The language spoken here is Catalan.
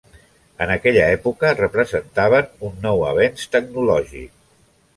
En aquella època representaven un nou avenç tecnològic.